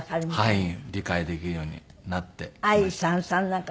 はい。